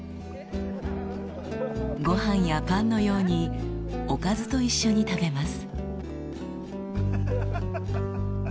ごはんやパンのようにおかずと一緒に食べます。